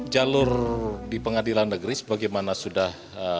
jalur di pengadilan negeri sebagaimana sudah